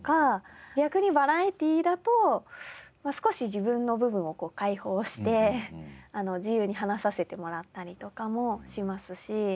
逆にバラエティーだと少し自分の部分を解放して自由に話させてもらったりとかもしますし。